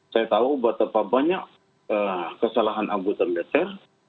saya tahu bahwa terpapah banyak kesalahan anggota militer